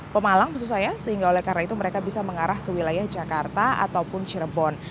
pemalang khususnya sehingga oleh karena itu mereka bisa mengarah ke wilayah jakarta ataupun cirebon